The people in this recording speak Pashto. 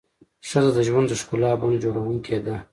ښځه د ژوند د ښکلا بڼ جوړونکې ده.